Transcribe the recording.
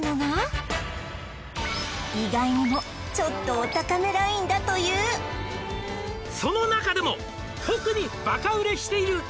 意外にもちょっとお高めラインだという「その中でも特にバカ売れしている」